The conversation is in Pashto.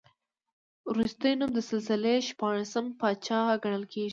وروستی نوم د سلسلې شپاړسم پاچا ګڼل کېږي.